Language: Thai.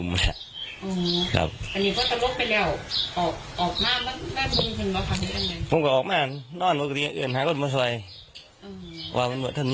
มาบอกให้การน้องทำลึกของท่านนะครับ